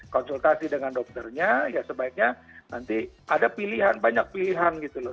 konsultasi dengan dokternya ya sebaiknya nanti ada pilihan banyak pilihan gitu loh